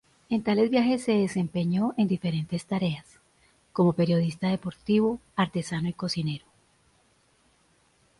En tales viajes se desempeñó en diferentes tareas: como periodista deportivo, artesano y cocinero.